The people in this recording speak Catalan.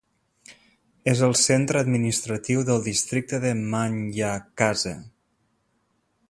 És el centre administratiu del districte de Manjacaze.